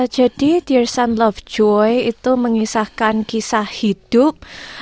jadi dear sun love joy itu mengisahkan kisah hidup